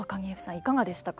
いかがでしたか？